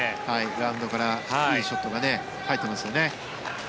ラウンドからいいショットが返っていますよね。